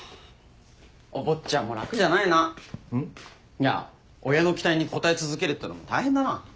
いや親の期待に応え続けるってのも大変だな。